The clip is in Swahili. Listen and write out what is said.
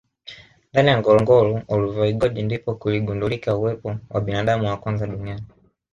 ndani ya ngorongoro Olduvai george ndipo kuligundulika uwepo wa binadamu wa kwanza duniani